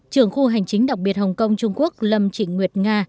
trưởng khu hành chính đặc biệt hồng kông trung quốc lâm trịnh nguyệt nga